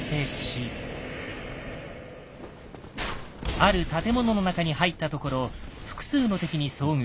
ある建物の中に入ったところ複数の敵に遭遇。